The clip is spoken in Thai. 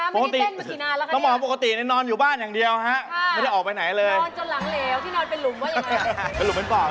หกปกตินอนอยู่บ้านอย่างเดี๋ยวไม่ได้ออกไปไหนเลยคุณคะเขาบอกว่าเป็นคู่แฝดค่ะ